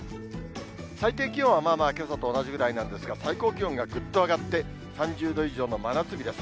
最低気温はまあまあけさと同じぐらいなんですが、最高気温がぐっと上がって、３０度以上の真夏日です。